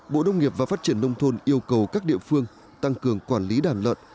bộ đông nghiệp và phát triển nông thôn yêu cầu các địa phương tăng cường quản lý đàn lợn